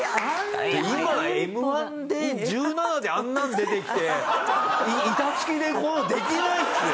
今Ｍ−１で１７であんなの出てきて板付きでこうできないですよ！